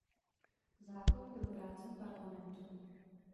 Zákon byl vrácen Parlamentu.